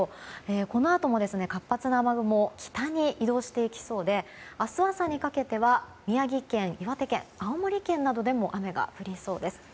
このあとも活発な雨雲北に移動していきそうで明日朝にかけては宮城県、岩手県青森県などでも雨が降りそうです。